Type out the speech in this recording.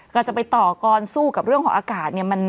ก็จะไปต่อกรณ์สู้กับเรื่องของอากาศ